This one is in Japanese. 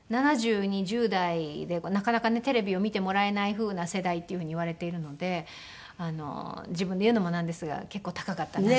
２０代というかなかなかねテレビを見てもらえないふうな世代っていうふうに言われているので自分で言うのもなんですが結構高かったな。